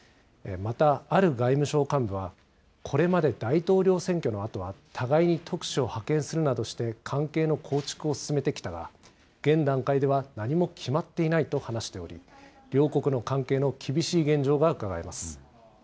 また、ある外務省幹部は、これまで大統領選挙のあとは互いに特使を派遣するなどして関係の構築を進めてきたが、現段階では何も決まっていないと話しており、両国の関係の厳しい現状がうかがえます。